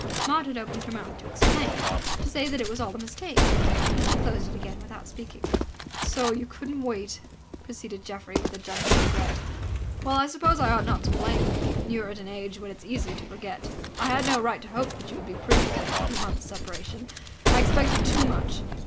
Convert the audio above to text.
Maud had opened her mouth to explain, to say that it was all a mistake. She closed it again without speaking. "So you couldn't wait!" proceeded Geoffrey with gentle regret. "Well, I suppose I ought not to blame you. You are at an age when it is easy to forget. I had no right to hope that you would be proof against a few months' separation. I expected too much.